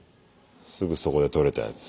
すぐそこで取れたやつ。